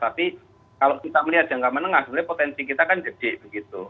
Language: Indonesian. tapi kalau kita melihat jangka menengah sebenarnya potensi kita kan gede begitu